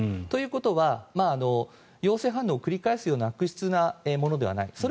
ということは陽性反応を繰り返すような悪質なものではない。